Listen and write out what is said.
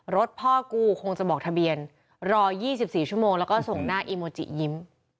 รถพ่อกูคงจะบอกทะเบียนรอ๒๔ชั่วโมงแล้วก็ส่งหน้าอีโมจิยิ้ม